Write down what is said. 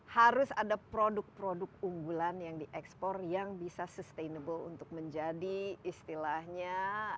harus ada produk produk unggulan yang diekspor yang bisa sustainable untuk menjadi istilahnya